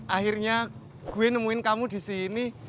akhirnya gue nemuin kamu di sini